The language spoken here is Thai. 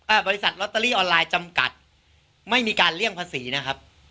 บริษัทลอตเตอรี่ออนไลน์จำกัดไม่มีการเลี่ยงภาษีนะครับ